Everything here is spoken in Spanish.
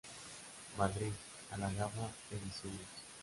Madrid: Algaba Ediciones.